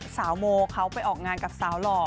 โมเขาไปออกงานกับสาวหล่อ